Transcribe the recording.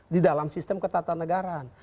di dalam sistem ketatanegaraan